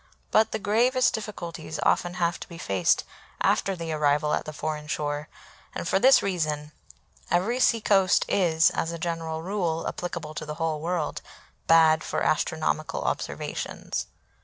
But the gravest difficulties often have to be faced after the arrival at the foreign shore, and for this reason. Every sea coast is, as a general rule applicable to the whole world, bad for astronomical observations.